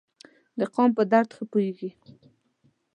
د قام په درد ښه پوهیږي.